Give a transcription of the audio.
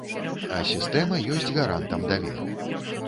А сістэма ёсць гарантам даверу.